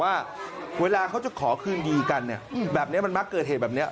ว่าเวลาเขาจะขอคืนดีกันเนี่ยแบบนี้มันมักเกิดเหตุแบบนี้